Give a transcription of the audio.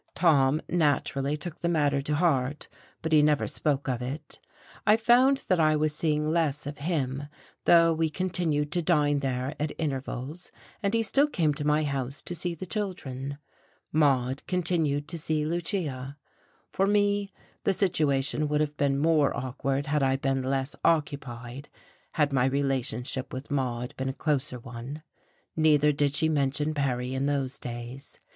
Tom naturally took the matter to heart, but he never spoke of it; I found that I was seeing less of him, though we continued to dine there at intervals, and he still came to my house to see the children. Maude continued to see Lucia. For me, the situation would have been more awkward had I been less occupied, had my relationship with Maude been a closer one. Neither did she mention Perry in those days.